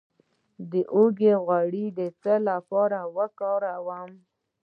د هوږې غوړي د څه لپاره وکاروم؟